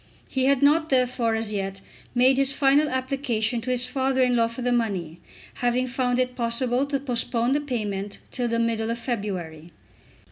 He had not therefore as yet made his final application to his father in law for the money, having found it possible to postpone the payment till the middle of February.